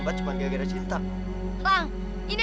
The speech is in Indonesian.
kamu pergi aku pergi dulu ya